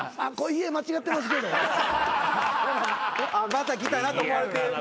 また来たなと思われてる。